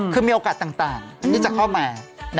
คือมีโอกาสต่างที่จะเข้ามา